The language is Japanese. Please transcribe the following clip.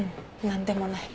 何でもない。